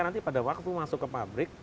nanti pada waktu masuk ke pabrik